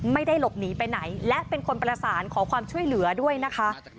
ไม่ได้หลบหนีไปไหนและเป็นคนประสานขอความช่วยเหลือด้วยนะคะ